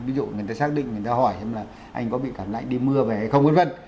ví dụ người ta xác định người ta hỏi xem là anh có bị tạm lạnh đi mưa về hay không vấn vân